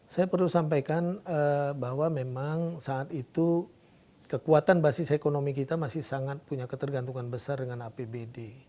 saya perlu sampaikan bahwa memang saat itu kekuatan basis ekonomi kita masih sangat punya ketergantungan besar dengan apbd